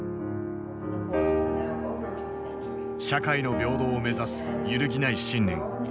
社会の平等を目指す揺るぎない信念。